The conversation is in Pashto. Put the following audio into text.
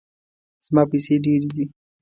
زما پیسې ډیرې دي